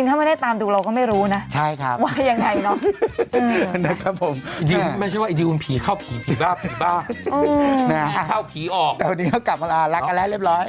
แต่วันนี้ก็กลับมาละรักกันแล้วเรียบร้อย